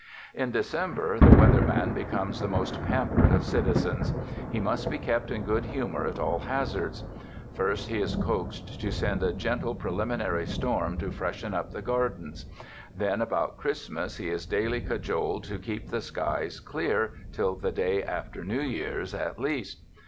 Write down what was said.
In December, the Weather Man becomes the most pampered of citizens. He must be kept in good humor at all hazards. First, he is coaxed to send a gentle pre liminary storm to freshen up the gardens; then, about Christmas, he is daily cajoled to keep the skies clear till the day after New Year's at least.